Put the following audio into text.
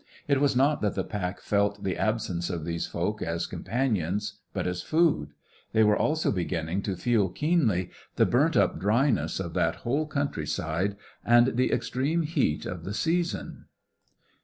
It was not that the pack felt the absence of these folk as companions, but as food. They were also beginning to feel keenly the burnt up dryness of that whole countryside and the extreme heat of the season.